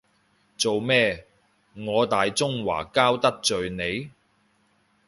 做咩，我大中華膠得罪你？